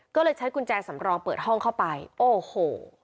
ก็เลยใช้กุญแจสำรองเปิดห้องเข้าไปโอ้โห